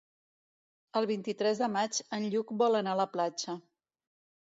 El vint-i-tres de maig en Lluc vol anar a la platja.